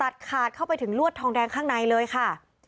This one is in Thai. ขาดเข้าไปถึงลวดทองแดงข้างในเลยค่ะ